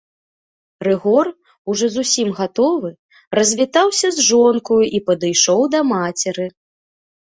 Рыгор, ужо зусім гатовы, развітаўся з жонкаю і падышоў да мацеры.